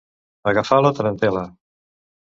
Agafar la tarantel·la.